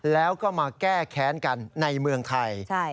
แล้วก็มาแก้แค้นกันในเมืองไทย